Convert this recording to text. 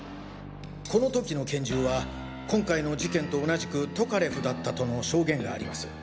このときの拳銃は今回の事件と同じくトカレフだったとの証言があります。